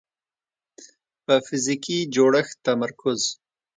په فزیکي جوړښت تمرکز